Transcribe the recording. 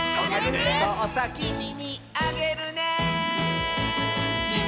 「そうさきみにあげるね」